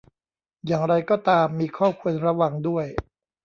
อย่างไรก็ตาม มีข้อควรระวังด้วย